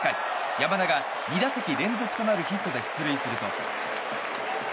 山田が２打席連続となるヒットで出塁すると。